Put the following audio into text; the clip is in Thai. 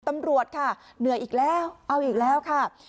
ตำรวจค่ะเหนื่อยอีกแล้วเอาอีกแล้วค่ะ